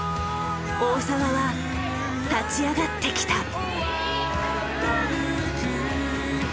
大澤は立ち上がってきた。